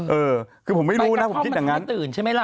เออเออคือผมไม่รู้นะผมคิดอย่างงั้นใบกระท่อมมันทำให้ตื่นใช่ไหมล่ะ